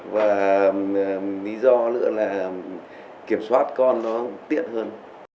và lý do nữa là kiểm soát con nó tiện hơn